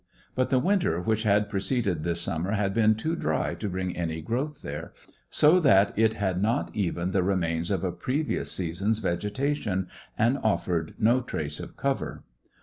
But the winter which had preceded this summer had been too dry to bring any growth here, so that it had not even the remains of a previous season's vegetation, and offered no trace of cover.